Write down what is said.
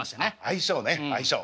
相性ね相性。